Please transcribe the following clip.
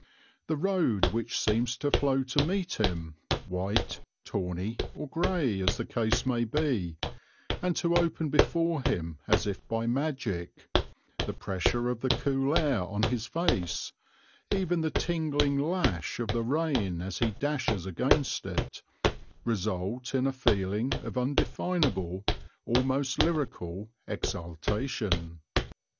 The road which seems to flow to meet him, white, tawny or grey as the case may be, and to open before him as if by magic, the pressure of the cool air on his face, even the tingling lash of the rain as he dashes against it, result in a feeling of undefinable, almost lyrical, exaltation.